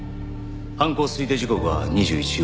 犯行推定時刻は２１時頃。